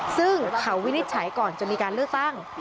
ซึ่งเขาวินิจฉัยก่อนจะมีการเลือกตั้ง